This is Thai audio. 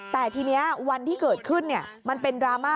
แต่ทีนี้วันที่เกิดขึ้นมันเป็นดราม่า